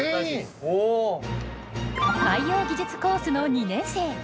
海洋技術コースの２年生。